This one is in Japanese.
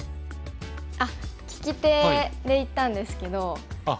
あっ聞き手で行ったんですけど。